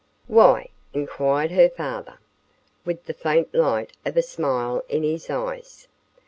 "Why?" inquired her father with the faint light of a smile in his eyes.